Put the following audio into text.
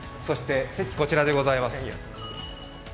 そして、席はこちらでございます。